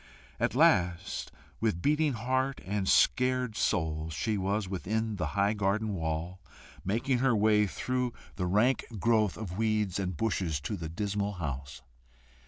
At last, with beating heart and scared soul, she was within the high garden wall, making her way through the rank growth of weeds and bushes to the dismal house.